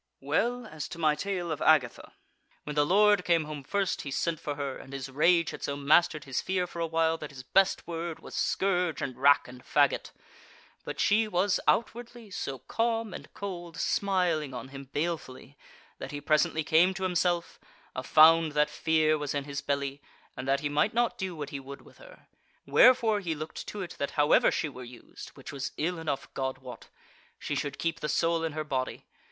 Well, as to my tale of Agatha. When the lord came home first, he sent for her, and his rage had so mastered his fear for a while that his best word was scourge and rack and faggot; but she was, outwardly, so calm and cold, smiling on him balefully, that he presently came to himself, a found that fear was in his belly, and that he might not do what he would with her; wherefore he looked to it that however she were used (which was ill enough, God wot!) she should keep the soul in her body.